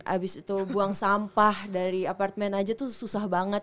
abis itu buang sampah dari apartemen aja tuh susah banget